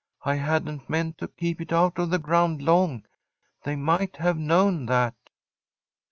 I hadn't meant to keep it out of the ground long: they might have known that.'